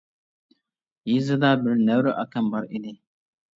يېزىدا بىر نەۋرە ئاكام بار ئىدى.